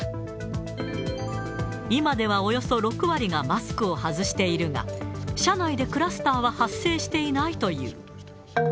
今ではおよそ６割がマスクを外しているが、社内でクラスターは発生していないという。